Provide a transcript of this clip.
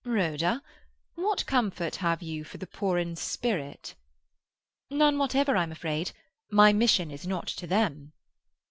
"Rhoda, what comfort have you for the poor in spirit?" "None whatever, I'm afraid. My mission is not to them."